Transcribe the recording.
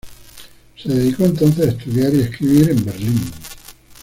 Se dedicó entonces a estudiar y escribir en Berlín.